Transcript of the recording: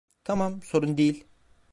Tamam, sorun değil.